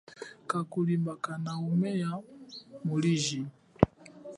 Kakhulimba kananumeya mulwiji.